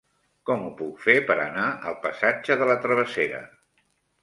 Com ho puc fer per anar al passatge de la Travessera?